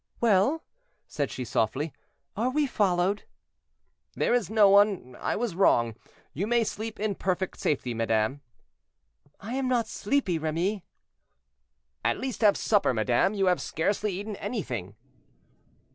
"Well," said she softly, "are we followed?" "There is no one, I was wrong; you may sleep in perfect safety, madame." "I am not sleepy, Remy." "At least have supper, madame; you have scarcely eaten anything."